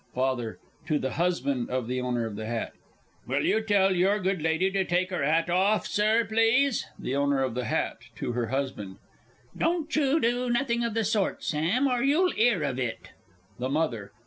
FATHER (to the Husband of The Owner of the Hat). Will you tell your good lady to take her 'at off, Sir, please? THE OWNER OF THE HAT (to her Husband). Don't you do nothing of the sort, Sam, or you'll 'ear of it! THE MOTHER.